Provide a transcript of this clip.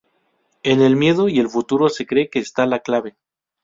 En el miedo y el futuro se cree que está la clave.